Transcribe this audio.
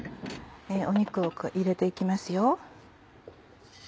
肉を入れていきますよ。